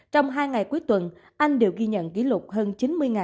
trong hai ngày cuối tuần anh đều ghi nhận kỷ lục hơn chín mươi ca nhiễm mới mỗi ngày